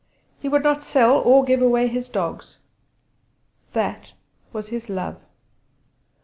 He would not sell or give away his dogs! That was his love.